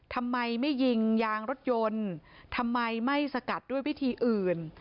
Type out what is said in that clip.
ทำไมไม่ยิงยางรถยนต์ทำไมไม่สกัดด้วยวิธีอื่น